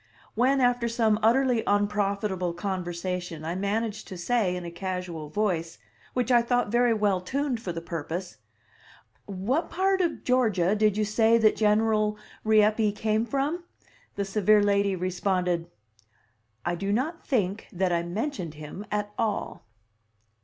When, after some utterly unprofitable conversation, I managed to say in a casual voice, which I thought very well tuned for the purpose, "What part of Georgia did you say that General Rieppe came from?" the severe lady responded: "I do not think that I mentioned him at all."